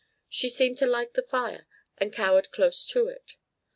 She seemed to like the fire, and cowered close to it.